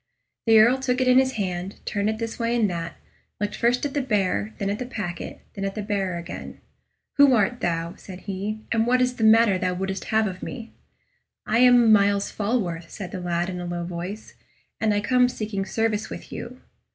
The Earl took it in his hand, turned it this way and that, looked first at the bearer, then at the packet, and then at the bearer again. "Who art thou?" said he; "and what is the matter thou wouldst have of me?" "I am Myles Falworth," said the lad, in a low voice; "and I come seeking service with you."